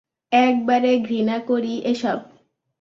একবারে ঘৃণা করি এসব।